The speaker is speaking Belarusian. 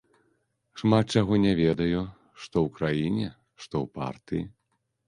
Шмат чаго не ведаю, што ў краіне, што ў партыі.